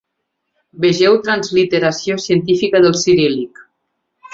Vegeu Transliteració científica del ciríl·lic.